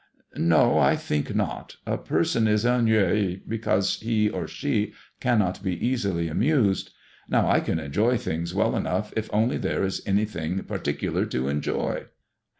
'No ; I think not. A person is ennuyi because he or she can not be easily amused. Now, I can enjoy things well enough if only there was anything par ticular to enjoy."